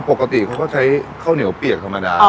ปกติเขาก็ใช้ข้าวเหนียวเปียกธรรมดา